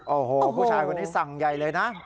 โอ้โหผู้ชายคนนี้สั่งใหญ่เลยนะ